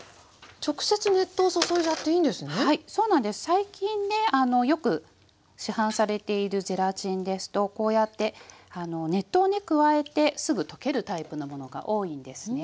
最近ねよく市販されているゼラチンですとこうやって熱湯をね加えてすぐ溶けるタイプのものが多いんですね。